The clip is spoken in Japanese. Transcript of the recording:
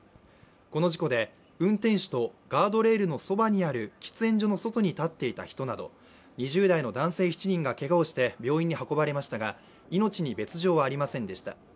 この事故で運転手とガードレールのそばにある喫煙所の外に立っていた人など２０代の男性７人がけがをして病院に運ばれましたが、命に別状はありませんでした。